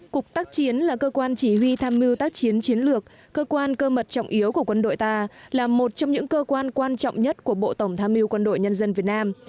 cục tác chiến là cơ quan chỉ huy tham mưu tác chiến chiến lược cơ quan cơ mật trọng yếu của quân đội ta là một trong những cơ quan quan trọng nhất của bộ tổng tham mưu quân đội nhân dân việt nam